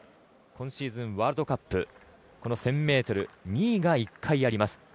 今シーズンワールドカップ１０００ｍ２位が１回あります。